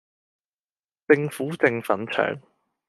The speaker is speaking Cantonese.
政府正粉腸